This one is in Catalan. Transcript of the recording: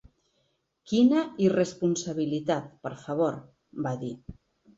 Quina irresponsabilitat, per favor, va dir.